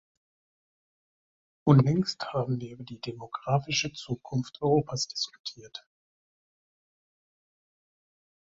Unlängst haben wir über die demografische Zukunft Europas diskutiert.